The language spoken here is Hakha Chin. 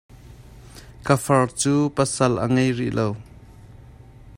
Ka far cu pasal a ngei rih lo.